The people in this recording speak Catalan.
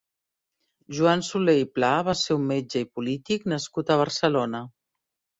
Joan Solé i Pla va ser un metge i polític nascut a Barcelona.